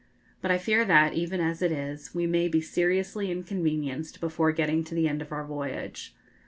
But I fear that, even as it is, we may be seriously inconvenienced before getting to the end of our voyage.